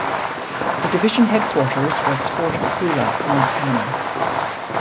The division headquarters was Fort Missoula, Montana.